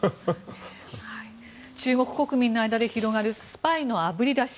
中国国民の間で広がるスパイのあぶり出し。